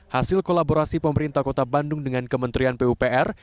hasil kolaborasi pemerintah kota bandung dengan kementerian pupr